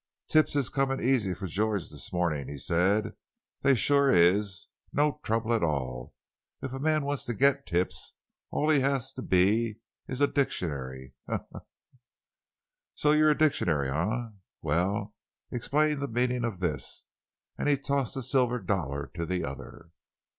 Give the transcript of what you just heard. "Tips is comin' easy for George this mornin'," he said; "they shuah is. No trouble at all. If a man wants to get tips all he has to be is a dictionary—he, he, he!" "So you're a dictionary, eh? Well, explain the meaning of this." And he tossed a silver dollar to the other.